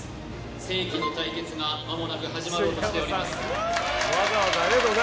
世紀の対決が間もなく始まろうとしております。